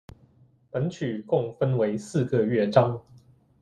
本曲共分为四个乐章。